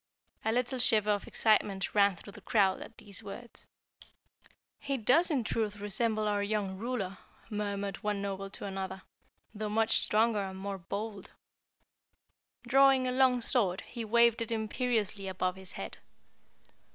A little shiver of excitement ran through the crowd at these words. "He does in truth resemble our young ruler," murmured one Noble to another, "though much stronger and more bold." Drawing a long sword, he waved it imperiously above his head.